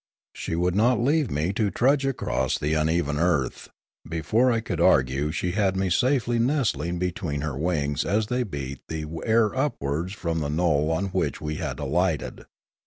She would not leave me to trudge across the uneven earth; before I could argue she had me safely nestling between her wings as they beat the air upwards from the low knoll on which we had alighted.